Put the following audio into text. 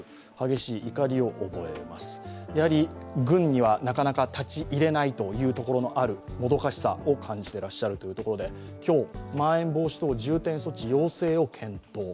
軍にはなかなか立ち入れないところがある、もどかしさを感じていらっしゃるというところで、今日、まん延防止等重点措置の要請を検討。